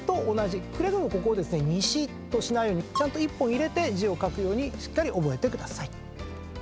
くれぐれも西としないようにちゃんと１本入れて字を書くようにしっかり覚えてください。